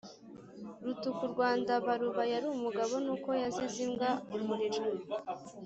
Rutuku rwa Ndubaruba yari umugabo nuko yazize imbwa-Umuriro.